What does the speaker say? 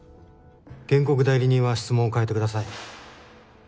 原告代理人は質問を変えてください。